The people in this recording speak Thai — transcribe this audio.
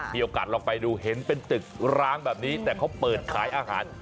มีโอกาสลองไปดูเห็นเป็นตึกร้างแบบนี้แต่เขาเปิดขายอาหาร